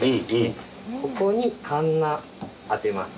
ここにかんな当てます。